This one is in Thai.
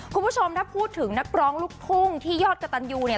คุณผู้ชมถ้าพูดถึงนักร้องลูกทุ่งที่ยอดกระตันยูเนี่ย